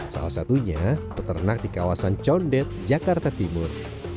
salah satunya peternak di kawasan condet jakarta timur